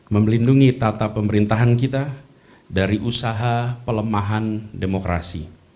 melindungi tata pemerintahan kita dari usaha pelemahan demokrasi